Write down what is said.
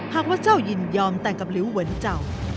หากว่าเจ้ายินยอมแต่งกับลิวเหมือนเจ้า